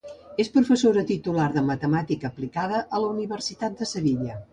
És professora titular de Matemàtica Aplicada a la Universitat de Sevilla.